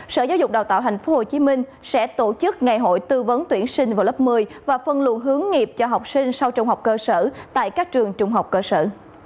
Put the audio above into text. sở giáo dục đào tạo tp hcm sẽ tổ chức ngày hội tư vấn tuyển sinh vào lớp một mươi và phân lu hướng nghiệp cho học sinh sau trung học cơ sở tại các trường trung học cơ sở